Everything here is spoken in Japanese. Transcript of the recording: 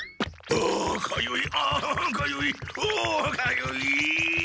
あかゆい。